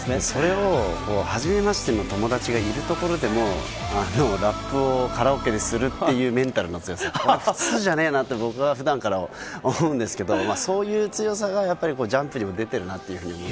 それをはじめましての友達がいるところでも、ラップをカラオケでするっていうメンタルの強さ、普通じゃねえなって僕は普段から思うんですけど、そういう強さがジャンプにも出てるなっていう。